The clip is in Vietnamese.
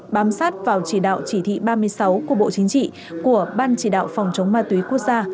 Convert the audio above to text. bám sát vào chỉ đạo chỉ thị ba mươi sáu của bộ chính trị của ban chỉ đạo phòng chống ma túy quốc gia